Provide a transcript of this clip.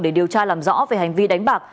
để điều tra làm rõ về hành vi đánh bạc